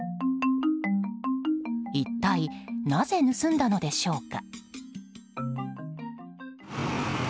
一体、なぜ盗んだのでしょうか。